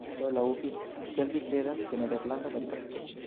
Do laŭ vi, kial vi kredas ke nederlando meritas ĝin?